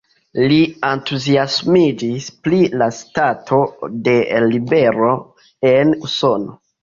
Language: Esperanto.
Li entuziasmiĝis pri la stato de libero en Usono.